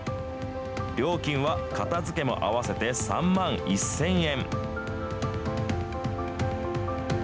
料金は片づけも合わせて３万１０００円。